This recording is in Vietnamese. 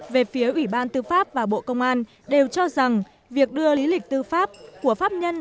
về phía ủy ban tư pháp và bộ công an đều cho rằng việc đưa lý lịch tư pháp của pháp nhân